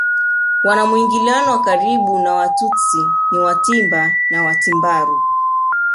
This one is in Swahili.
Wana mwingiliano wa karibu na Watutsi ni Watimba na Watimbaru